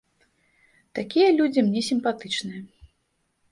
Такія людзі мне сімпатычныя.